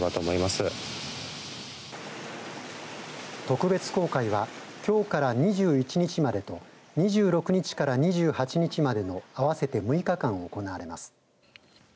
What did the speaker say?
特別公開はきょうから２１日までと２６日から２８日までの合わせて６日間行われます。